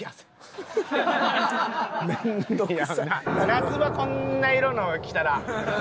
夏場こんな色の着たら。